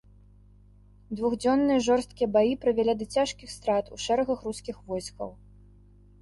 Двухдзённыя жорсткія баі прывялі да цяжкіх страт у шэрагах рускіх войскаў.